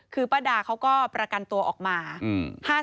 คือป้าดาเขาก็ประกันตัวออกมา๕แสนบาท